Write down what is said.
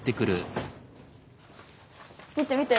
見てみて。